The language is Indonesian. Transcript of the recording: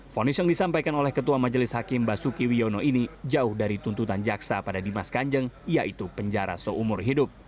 fonis yang disampaikan oleh ketua majelis hakim basuki wiono ini jauh dari tuntutan jaksa pada dimas kanjeng yaitu penjara seumur hidup